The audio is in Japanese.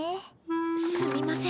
すみません